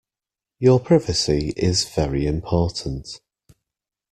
Your privacy is very important.